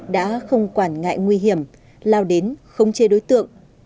đã không quản ngại nguy hiểm lao đến không chê đối tượng